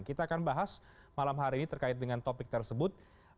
kita akan bahas malam hari ini terkait dengan topik tersebut